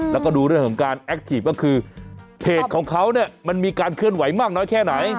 แล้วก็ดูเรื่องของการแอคทีฟก็คือเพจของเขาเนี่ยมันมีการเคลื่อนไหวมากน้อยแค่ไหน